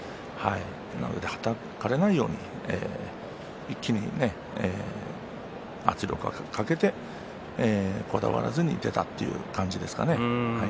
なので、はたかれないように一気に圧力をかけてこだわらずに出たという感じですかね。